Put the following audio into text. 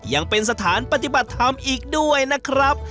ยังเป็นสถานปฏิบัติธรรมอีกด้วยนะครับ